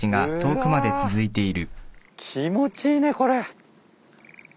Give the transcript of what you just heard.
うわ気持ちいいねこれ。